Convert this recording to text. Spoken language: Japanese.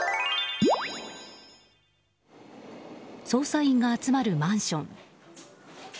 捜査員が集まるマンション。